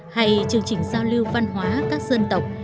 hay chương trình giao lưu văn hóa các dân tộc